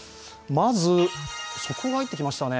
まず速報が入ってきましたね。